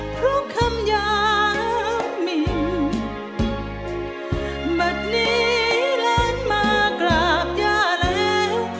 เพราะคำยามิ่งแบบนี้แหลนมากราบยาแล้ว